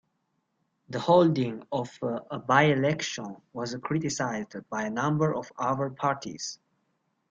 The holding of a by-election was criticised by a number other parties.